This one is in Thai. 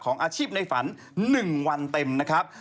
อาชีพในฝัน๑วันเต็มนะครับ